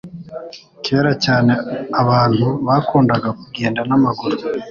Kera cyane, abantu bakundaga kugenda n'amaguru